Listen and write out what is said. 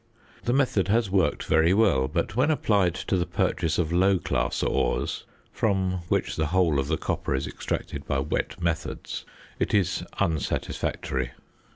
The method has worked very well, but when applied to the purchase of low class ores (from which the whole of the copper is extracted by wet methods) it is unsatisfactory.